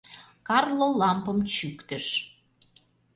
Карло лампым чӱктыш.